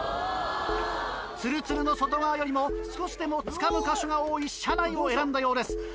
ツルツルの外側よりも少しでもつかむ箇所が多い車内を選んだようです。